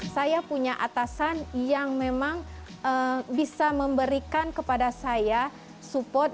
saya punya atasan yang memang bisa memberikan kepada saya support